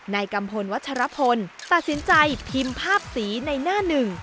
กัมพลวัชรพลตัดสินใจพิมพ์ภาพสีในหน้าหนึ่ง